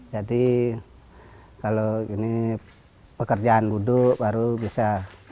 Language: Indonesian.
jadi kalau ini pekerjaan buduk baru bisa